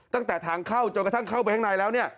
ตั้งแต่ทางเข้าจนกระทั่งเข้าไปข้างในแล้วเนี่ย